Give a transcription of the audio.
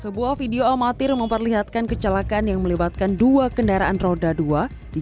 sebuah video amatir memperlihatkan kecelakaan yang melibatkan dua kendaraan roda dua di